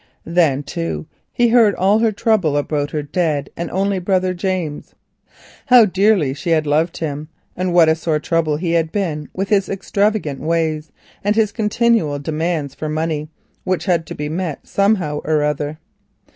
Then too he heard all her trouble about her dead and only brother James, how dearly she had loved him, and what a sore trouble he had been with his extravagant ways and his continual demands for money, which had to be met somehow or other.